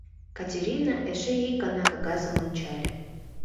Катерина эше ик гана кагазым ончале.